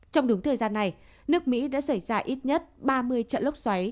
trong đúng thời gian này nước mỹ đã xảy ra ít nhất ba mươi trận lốc xoáy